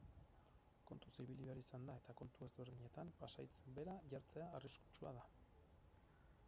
Kontuz ibili behar da eta kontu ezberdinetan pasahitz bera jartzea arriskutsua da.